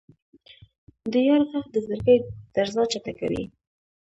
د یار ږغ د زړګي درزا چټکوي.